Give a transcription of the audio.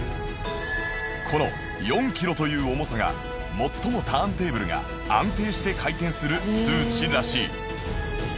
この４キロという重さが最もターンテーブルが安定して回転する数値らしい